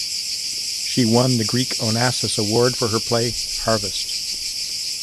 She won the Greek Onassis Award for her play "Harvest".